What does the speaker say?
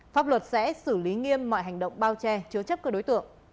pháp luật sẽ xử lý nghiêm mọi hành động bao che chứa chấp các đối tượng